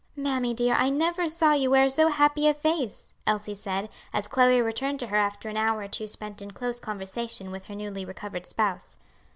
"Mammy dear, I never saw you wear so happy a face," Elsie said, as Chloe returned to her after an hour or two spent in close conversation with her newly recovered spouse.